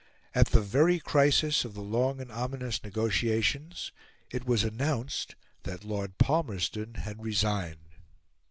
At the very crisis of the long and ominous negotiations, it was announced that Lord Palmerston had resigned.